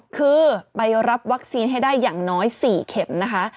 คือไปรับวัคซีนให้ได้อย่างน้อย๔เข็มนะคะ